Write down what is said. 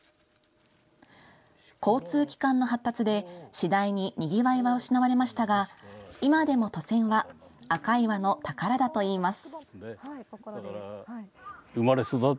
交通機関の発達で、次第ににぎわいは失われましたが今でも渡船は赤岩の宝だといいます。